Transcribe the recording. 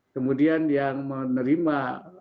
kemudian yang menerima